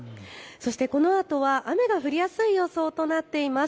そしてこのあとは雨が降りやすい予想となっています。